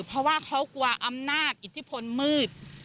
เพราะว่าเขากลัวอำนาจอิทธิพลมืด